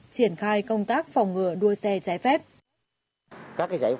triển khai công tác phòng ngừa đua xe trái phép